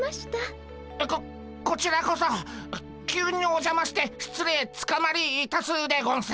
ここちらこそ急におじゃまして失礼つかまりいたすでゴンス。